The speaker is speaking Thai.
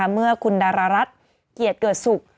เมื่อคุณดารรัฐเกียรติเกิดศุกร์